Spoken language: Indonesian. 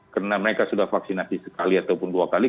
karena mereka sudah vaksinasi sekali ataupun dua kali